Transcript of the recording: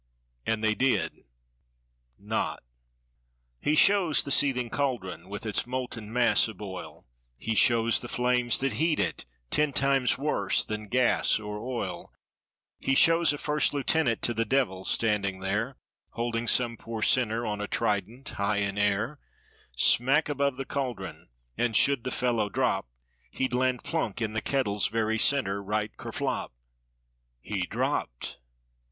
And they did—(not). He shows the seething cauldron with its molten mass aboil; He shows the flames that heat it—ten times worse than gas or oil; He shows a first lieutenant to the devil standing there Holding some poor sinner on a trident, high in air, Smack above the cauldron, and should the fellow drop He'd land plunk in the kettle's very center right kerflop— He dropped!